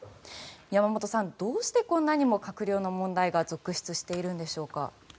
山本さん、どうしてこんなにも閣僚の問題が続出しているんでしょうか。